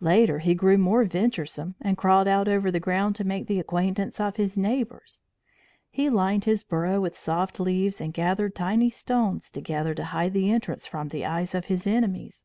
Later, he grew more venturesome, and crawled out over the ground to make the acquaintance of his neighbours. He lined his burrow with soft leaves and gathered tiny stones together to hide the entrance from the eyes of his enemies.